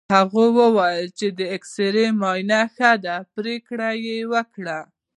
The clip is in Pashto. هغه وویل چې د اېکسرې معاینه ښه ده، پرېکړه یې وکړه.